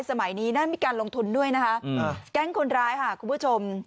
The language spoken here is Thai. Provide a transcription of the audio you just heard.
สมัยนี้น่ามีการลงทุนด้วยนะคะแก๊งคนร้ายค่ะคุณผู้ชม